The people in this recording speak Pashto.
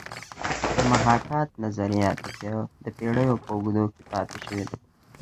د محاکات نظریه د پیړیو په اوږدو کې پاتې شوې ده